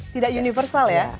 tidak universal ya